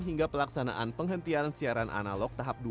hingga pelaksanaan penghentian siaran analog tahap dua